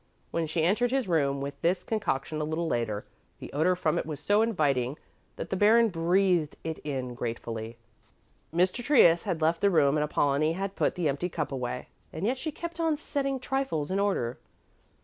When she entered his room with this concoction a little later, the odor from it was so inviting that the Baron breathed it in gratefully. Mr. Trius had left the room and Apollonie had put the empty cup away, and yet she kept on setting trifles in order.